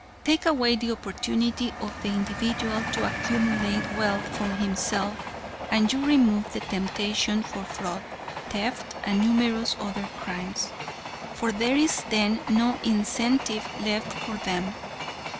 Take away the opportunity of the individual to accumulate wealth for himself, and you remove the temptation for fraud, theft and numerous other crimes, for there is then no incentive left for them.